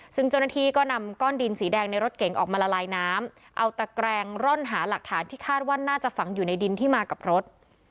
ซึ่งเจ้าหน้าที่ก็นำก้อนดินสีแดงในรถเก๋งออกมาละลายน้ำเอาตะแกรงร่อนหาหลักฐานที่คาดว่าน่าจะฝังอยู่ในดินที่มากับรถ